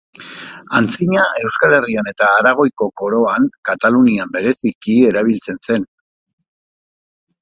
Antzina Euskal Herrian eta Aragoiko Koroan, Katalunian bereziki, erabiltzen zen.